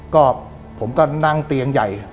ก็ผมก็นั่งเตียงใหญ่